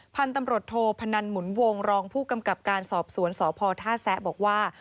พันธุ์ตำรวจโทพนันหมุนวงรองผู้กำกับการสอบสวนสพท่าแซะบอกว่า